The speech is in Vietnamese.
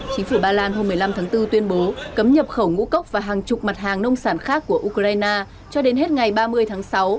chính phủ ba lan hôm một mươi năm tháng bốn tuyên bố cấm nhập khẩu ngũ cốc và hàng chục mặt hàng nông sản khác của ukraine cho đến hết ngày ba mươi tháng sáu